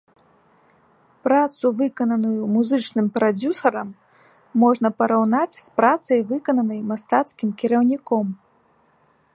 Працу, выкананую музычным прадзюсарам, можна параўнаць з працай, выкананай мастацкім кіраўніком.